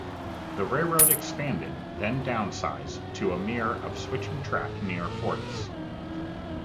The railroad expanded, then downsized to a mere of switching track near Fordyce.